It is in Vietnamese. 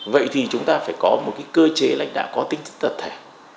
vậy thì chúng ta phải có một cái cơ chế lãnh đạo có tính thật thẻ